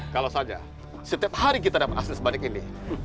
kalau saja setiap hari kita dapat hasil sebanding ini